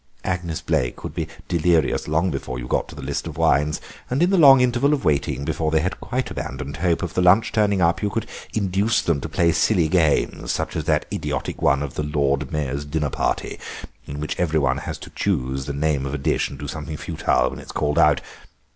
Agnes Blaik would be delirious long before you got to the list of wines, and in the long interval of waiting, before they had quite abandoned hope of the lunch turning up, you could induce them to play silly games, such as that idiotic one of 'the Lord Mayor's dinner party,' in which every one has to choose the name of a dish and do something futile when it is called out.